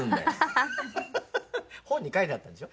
本に書いてあったんでしょ？